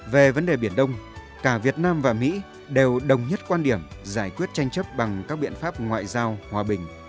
về vấn đề biển đông cả việt nam và mỹ đều đồng nhất quan điểm giải quyết tranh chấp bằng các biện pháp ngoại giao hòa bình